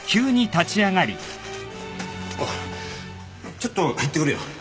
ちょっと行ってくるよ。